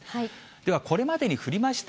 ではこれまでに降りました